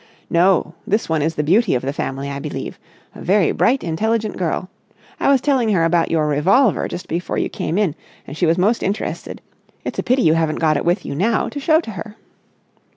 "No. This one is the beauty of the family, I believe. A very bright, intelligent girl. I was telling her about your revolver just before you came in, and she was most interested. It's a pity you haven't got it with you now, to show to her."